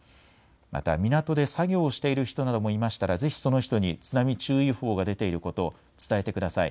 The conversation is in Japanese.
また港で作業をしている人などもいましたら、ぜひその人に津波注意報が出ていることを伝えてください。